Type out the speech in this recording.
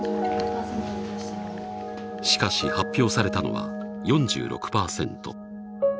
しかし発表されたのは４６％。